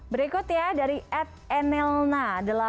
berikut ya dari at enelna delapan ratus sembilan puluh tujuh